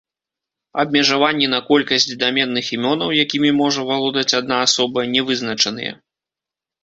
Абмежаванні на колькасць даменных імёнаў, якімі можа валодаць адна асоба, не вызначаныя.